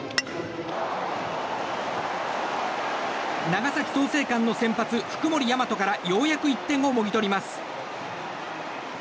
長崎・創成館の先発福盛大和からようやく１点をもぎ取ります。